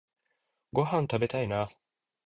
ごはんたべたいな